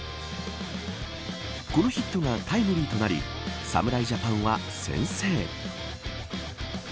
このヒットがタイムリーとなり侍ジャパンは先制。